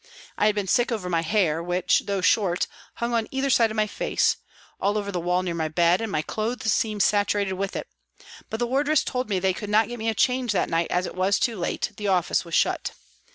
I had been sick over my hair, which, though short, hung on either side of my face, all over the wall near my bed, and my clothes seemed saturated with it, but the wardresses told me they could not get me a change that night as it was too late, the office was shut.